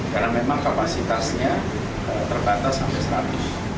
karena memang kapasitasnya terbatas sampai seratus